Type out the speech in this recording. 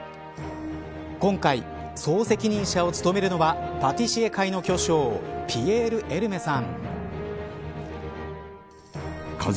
今回、総責任者を務めるのはパティシエ界の巨匠ピエール・エルメさん。